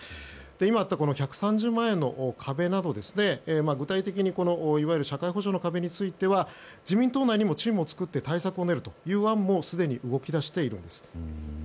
今あった１３０万円の壁など具体的にいわゆる社会保障の壁については自民党内にもチームを作って対策を練るという案もすでに動き出しているんです。